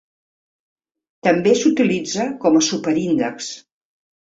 També s'utilitza com a superíndex.